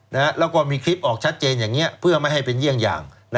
แล้วก็มีคลิปออกชัดเจนอย่างนี้เพื่อไม่ให้เป็นเยี่ยงอย่าง